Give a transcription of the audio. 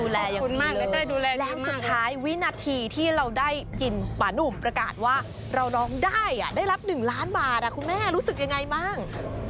แล้วสุดท้ายวินาทีที่เราได้กินป่านุ่มประกาศว่าเราร้องได้ได้รับ๑ล้านบาทคุณแม่รู้สึกยังไงบ้าง